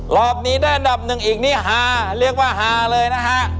รอบนี้ได้อันดับ๑อีกนี้๕เรียกว่า๕เลยนะฮะ